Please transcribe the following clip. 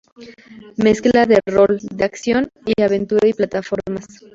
Mezcla de rol, de acción y aventura y plataformas.